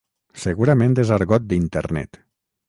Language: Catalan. Segurament és argot d'Internet.